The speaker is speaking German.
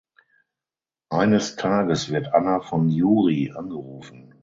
Eines Tages wird Anna von Yury angerufen.